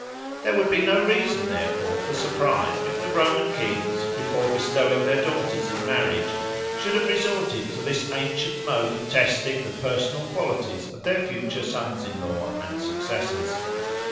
There would be no reason, therefore, for surprise if the Roman kings, before bestowing their daughters in marriage, should have resorted to this ancient mode of testing the personal qualities of their future sons in law and successors.